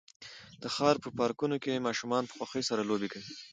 د ښار په پارکونو کې ماشومان په خوښۍ سره لوبې کوي.